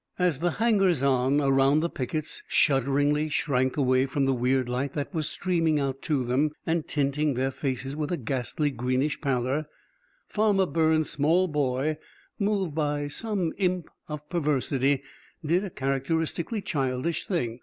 As the hangers on around the pickets shudderingly shrank away from the weird light that was streaming out to them and tinting their faces with a ghastly, greenish pallor, Farmer Burns' small boy, moved by some imp of perversity, did a characteristically childish thing.